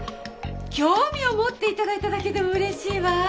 興味を持っていただいただけでもうれしいわ！